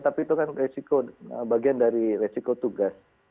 tapi itu kan resiko bagian dari resiko tugas